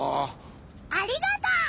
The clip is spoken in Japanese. ありがとう！